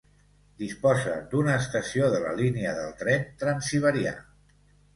Disposa d'una estació de la línia del tren Transsiberià.